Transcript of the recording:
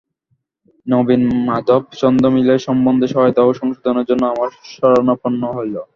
নবীনমাধব ছন্দ মিল সম্বন্ধে সহায়তা ও সংশোধনের জন্য আমার শরণাপন্ন হইল।